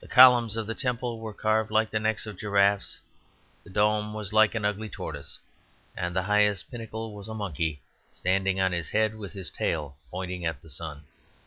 The columns of the temple were carved like the necks of giraffes; the dome was like an ugly tortoise; and the highest pinnacle was a monkey standing on his head with his tail pointing at the sun.